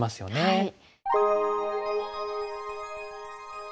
はい。